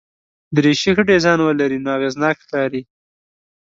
دریشي ښه ډیزاین ولري نو اغېزناک ښکاري.